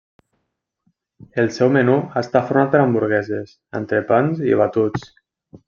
El seu menú està format per hamburgueses, entrepans i batuts.